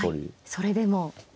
それでも。